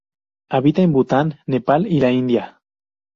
Habita en Bután, Nepal y la India.